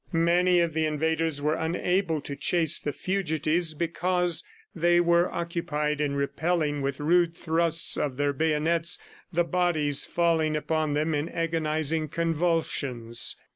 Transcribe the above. Many of the invaders were unable to chase the fugitives because they were occupied in repelling with rude thrusts of their bayonets the bodies falling upon them in agonizing convulsions.